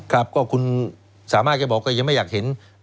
ครับก็คุณสามารถแกบอกก็ยังไม่อยากเห็น